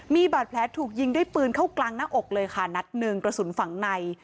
มีบาดแผลถูกยิงด้วยปืนเข้ากลางหน้าอกเลยค่ะนัดหนึ่งกระสุนฝั่งใน